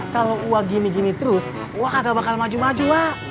kalau wak gini gini terus wak kagak bakal maju maju wak